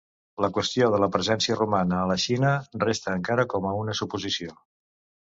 La qüestió de la presència romana a la Xina resta encara com a una suposició.